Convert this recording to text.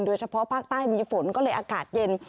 โดยเฉพาะภาคใต้มีฝนก็เลยอากาศเย็น